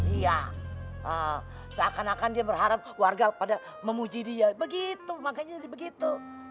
iya seakan akan dia berharap warga pada memuji dia begitu makanya jadi begitu